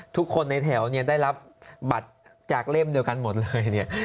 ทุกคนในแถวเนี่ยได้รับบัตรจากเล่มเดียวกันหมดเลยเนี่ย